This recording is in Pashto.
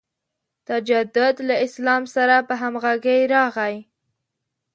تجدد له اسلام سره په همغږۍ راغی.